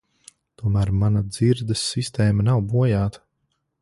Tomēr mana dzirdes sistēma nav bojāta.